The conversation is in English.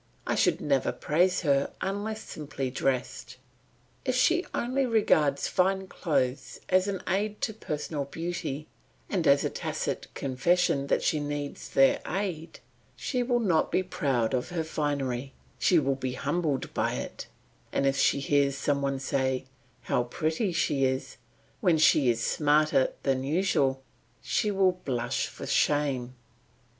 I should never praise her unless simply dressed. If she only regards fine clothes as an aid to personal beauty, and as a tacit confession that she needs their aid, she will not be proud of her finery, she will be humbled by it; and if she hears some one say, "How pretty she is," when she is smarter than usual, she will blush for shame.